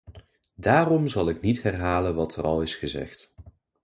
Daarom zal ik niet herhalen wat er al is gezegd.